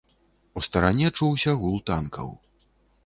У старане чуўся гул танкаў.